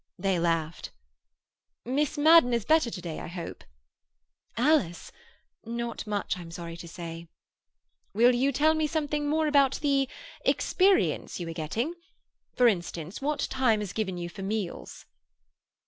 They laughed. "Miss Madden is better to day, I hope?" "Alice? Not much, I'm sorry to say." "Will you tell me something more about the "experience" you are getting? For instance, what time is given you for meals?"